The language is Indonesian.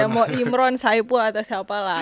ya mau imron saipul atau siapa lah